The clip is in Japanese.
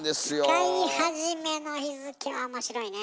使い始めの日付は面白いね。